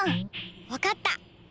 わかった！